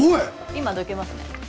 今どけますね。